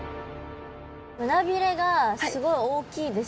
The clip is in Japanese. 胸鰭がすごい大きいですね。